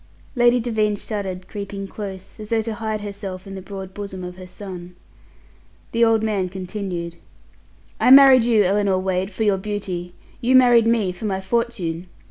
Lady Devine shuddered, creeping close, as though to hide herself in the broad bosom of her son. The old man continued: "I married you, Ellinor Wade, for your beauty; you married me for my fortune.